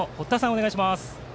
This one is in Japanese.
お願いします。